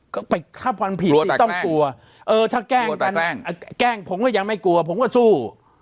ก็ไปฆ่าความผิดที่ต้องกลัวเออถ้าแกล้งกันแกล้งผมก็ยังไม่กลัวผมก็สู้